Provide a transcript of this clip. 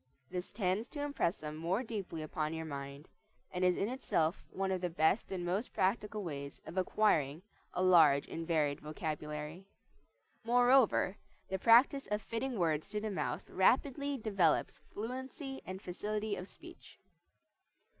This tends to impress them more deeply upon your mind, and is in itself one of the best and most practical ways of acquiring a large and varied vocabulary. Moreover, the practise of fitting words to the mouth rapidly develops fluency and facility of speech.